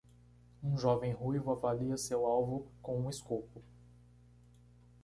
Um jovem ruivo avalia seu alvo com um escopo.